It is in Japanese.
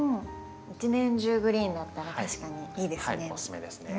一年中グリーンだったら確かにいいですね。